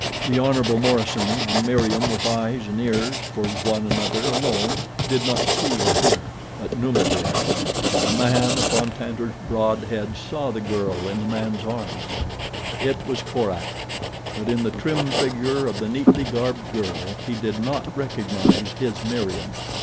The Hon. Morison and Meriem, with eyes and ears for one another alone, did not see or hear; but Numa did. The man upon Tantor's broad head saw the girl in the man's arms. It was Korak; but in the trim figure of the neatly garbed girl he did not recognize his Meriem.